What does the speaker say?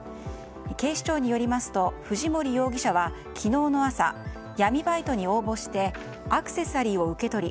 警視庁によりますと藤森容疑者は昨日の朝、闇バイトに応募してアクセサリーを受け取り